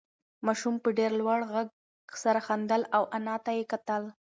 ماشوم په ډېر لوړ غږ سره خندل او انا ته یې کتل.